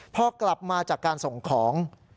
พอกลับมาจากการส่งของ